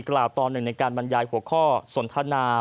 ตอนหนึ่งในการบรรยายหัวข้อสนทนา